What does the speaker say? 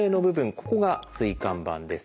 ここが椎間板です。